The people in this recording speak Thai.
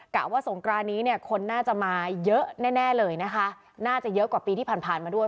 ว่าสงกรานนี้เนี่ยคนน่าจะมาเยอะแน่เลยนะคะน่าจะเยอะกว่าปีที่ผ่านมาด้วย